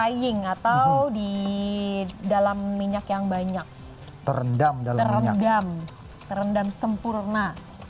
ini diprying atau di dalam minyak yang banyak terendam dalam minyak terendam terendam sempurna